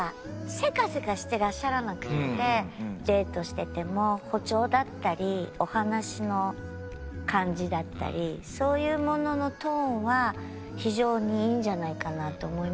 デートしてても歩調だったりお話の感じだったりそういうもののトーンは非常にいいんじゃないかなと思いますね。